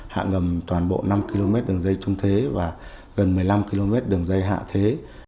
hạ ngầm toàn bộ năm km đường dây trung thế và gần một mươi năm km đường dây hạ thế